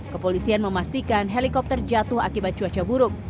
kepolisian memastikan helikopter jatuh akibat cuaca buruk